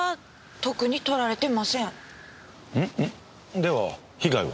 では被害は？